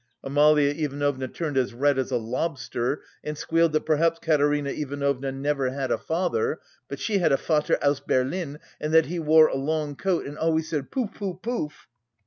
Amalia Ivanovna turned as red as a lobster and squealed that perhaps Katerina Ivanovna never had a father, "but she had a Vater aus Berlin and that he wore a long coat and always said poof poof poof!"